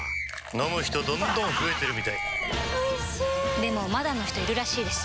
飲む人どんどん増えてるみたいおいしでもまだの人いるらしいですよ